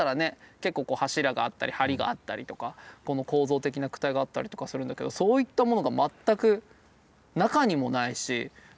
結構こう柱があったり梁があったりとか構造的な躯体があったりとかするんだけどそういったものが全く中にもないし外側にもないじゃないですか。